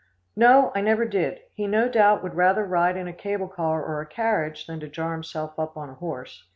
"No, I never did. He no doubt would rather ride in a cable car or a carriage than to jar himself up on a horse.